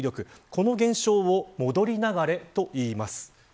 この現象を戻り流れといいます。